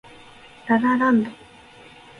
ラ・ラ・ランド